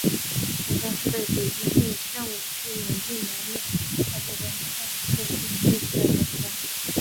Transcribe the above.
天桥是对北京市宣武区永定门内大街中段附近地区的统称。